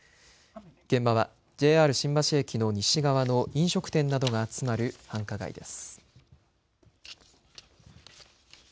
現場はＪＲ新橋駅の西側の飲食店などが集まる繁華街です。